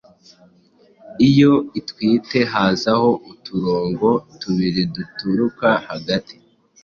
iyo itwite hazaho uturongo tubiri dutukura hagati